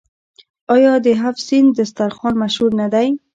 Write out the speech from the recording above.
آیا د هفت سین دسترخان مشهور نه دی؟